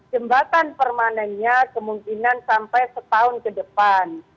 jembatan permanennya kemungkinan sampai setahun ke depan